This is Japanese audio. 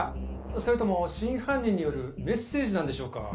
それとも真犯人によるメッセージなんでしょうか？